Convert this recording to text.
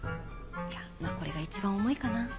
いやまぁこれが一番重いかな。